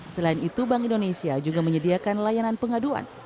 selain itu bank indonesia juga menyediakan layanan pengaduan